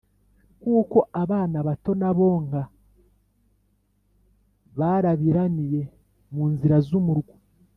Kuko abana bato n’abonka barabiraniye mu nzira z’umurwa.